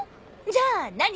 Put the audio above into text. じゃあ何？